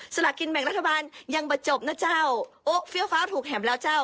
ละกินแบ่งรัฐบาลยังมาจบนะเจ้าโอ๊ะเฟี้ยวฟ้าถูกแห่มแล้วเจ้า